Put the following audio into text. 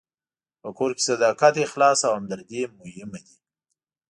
په کور کې صداقت، اخلاص او همدردي مهم دي.